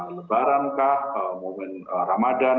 lebaran kah momen ramadhan